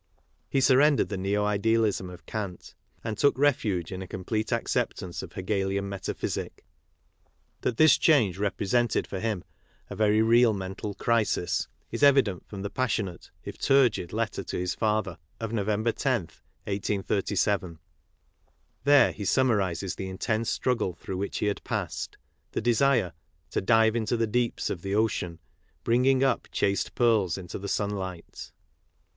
He surren dered the neo idealism of Kant and took refuge in a complete acceptance of Hegelian metaphysic. That this change represented for him a very real mental crisis is evident from the passionate, if turgid, letter to his father of November loth, 1837. There he summarizes the in tense struggle through which he had passed, the desire " to dive into the deeps of the ocean ... bringing up chaste pearls into the sunlight."